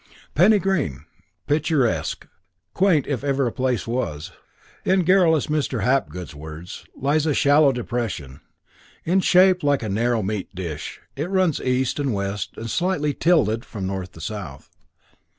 II Penny Green "picturesque, quaint if ever a place was", in garrulous Mr. Hapgood's words lies in a shallow depression, in shape like a narrow meat dish. It runs east and west, and slightly tilted from north to south.